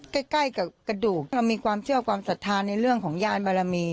ใกล้กับกระดูกเรามีความเชื่อความศรัทธาในเรื่องของยานบารมี